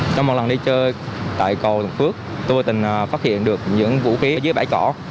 trong một lần đi chơi tại cầu thuận phước tôi tình phát hiện được những vũ khí dưới bãi cỏ